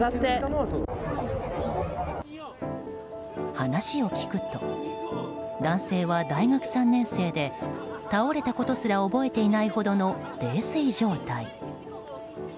話を聞くと男性は大学３年生で倒れたことすら覚えていないほどの泥酔状態。